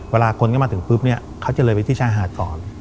เวลาคนก็มาถึงปุ๊บเนี่ยเขาจะเลยไปที่ชายหาดก่อน